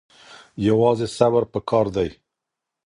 یوازې صبر پکار دی.